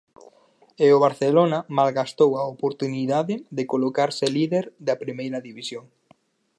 E o Barcelona malgastou a oportunidade de colocarse líder da Primeira División.